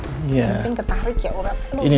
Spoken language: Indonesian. mungkin ketarik ya uratnya